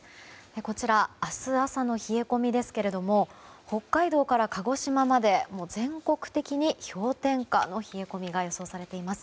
こちら明日朝の冷え込みですが北海道から鹿児島までもう、全国的に氷点下の冷え込みが予想されています。